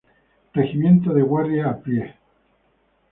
Regimiento de Guardias a Pie.